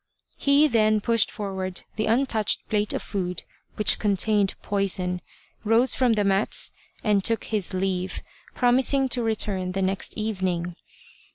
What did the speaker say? He then pushed forward the untouched plate of food which contained poison, rose from the mats, and took his leave, promising to return the next evening.